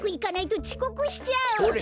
ほれ。